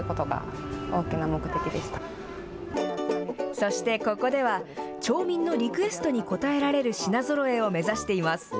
そしてここでは、町民のリクエストに応えられる品ぞろえを目指しています。